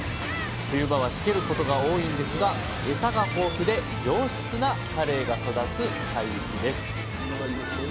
冬場はしけることが多いんですがエサが豊富で上質なカレイが育つ海域です